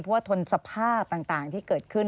เพราะว่าทนสภาพต่างที่เกิดขึ้น